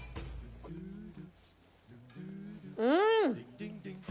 うん！